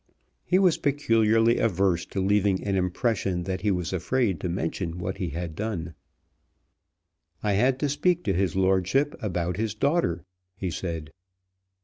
He was peculiarly averse to leaving an impression that he was afraid to mention what he had done. "I had to speak to his lordship about his daughter," he said.